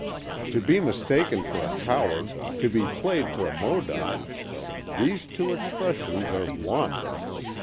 To be mistaken for a coward—to be played for a Modoc: these two expressions are one.